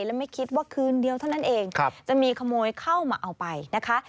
และไม่คิดว่าคืนเดียวเท่านั้นเองจะมีขโมยเข้ามาเอาไปนะคะ